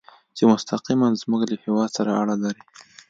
چې مستقیماً زموږ له هېواد سره اړه لري.